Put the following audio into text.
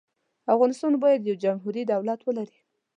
افغانستان باید یو جمهوري دولت ولري.